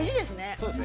◆そうですね。